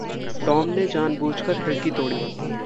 Tom ने जान-बूझकर खिड़की तोड़ी।